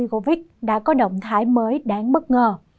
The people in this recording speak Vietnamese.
covid đã có động thái mới đáng bất ngờ